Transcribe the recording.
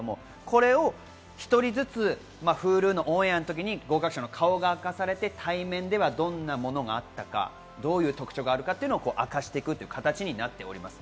これを１人ずつＨｕｌｕのオンエアのときに合格者の顔が明かされて対面ではどんなものがあったのか、どういう特徴があるのかを明かしていくという形になっております。